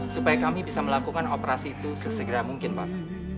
supaya kami bisa melakukan operasi itu sesegera mungkin pak